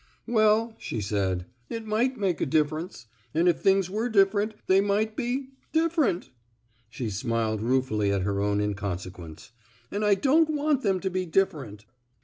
"Well," she said, it might make a dif ference. And if things were different, they might be — different." She smiled ruefully at her own inconsequence. '* And I don't want them to be different."